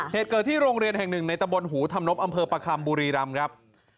เหตุเกิดที่โรงเรียนแห่งหนึ่งในตะบนหูธรรมนบอำเภอประคัมบุรีรำครับ